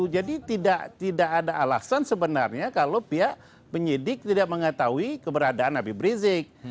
jadi tidak ada alasan sebenarnya kalau pihak penyidik tidak mengetahui keberadaan abib rizik